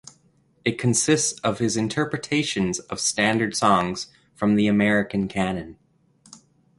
It consists of his interpretations of standard songs from the American canon.